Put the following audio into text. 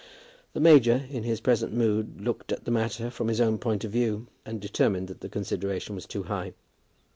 The major, in his present mood, looked at the matter from his own point of view, and determined that the consideration was too high.